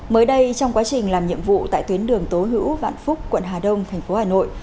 mới đây trong quá trình làm nhiệm vụ tại tuyến đường tố hữu vạn phúc quận hà đông thành phố hà nội